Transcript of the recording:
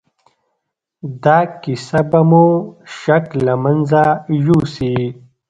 دا کيسه به مو شک له منځه يوسي.